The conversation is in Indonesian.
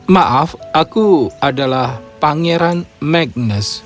maaf aku adalah pangeran magness